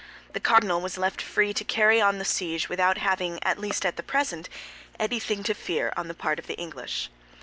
The cardinal was left free to carry on the siege, without having, at least at the present, anything to fear on the part of the English.